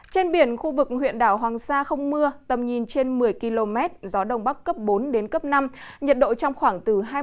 trên biển khu vực huyện đảo hoàng sa không mưa tầm nhìn trên một mươi km gió đông bắc cấp bốn đến cấp năm